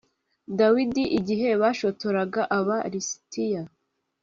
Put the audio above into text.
dawidi igihe bashotoraga aba lisitiya